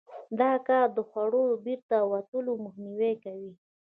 دا کار د خوړو د بیرته وتلو مخنیوی کوي.